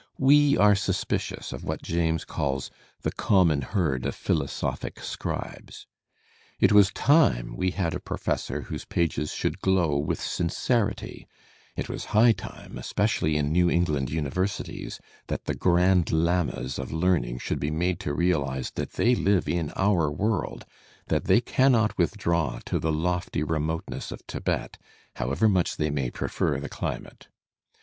We are suspicious of what James calls "the common herd of philosophic scribes." It was time we had a professor whose pages should glow with sincerity; it was high time, especially in New England universities, that the grand lamas of learn ing should be made to reahze that they live in our world, that they cannot withdraw to the lofty remoteness of Thibet, however much they may prefer the climate.